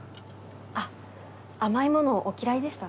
あっ甘いものお嫌いでした？